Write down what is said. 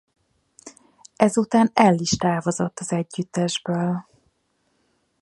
Ezután Elle is távozott az együttesből.